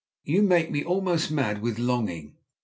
"You make me almost mad with longing."